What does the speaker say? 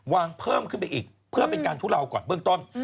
วางเพิ่มขึ้นไปอีกเพื่อเป็นการทุเลาก่อนเบื้องต้น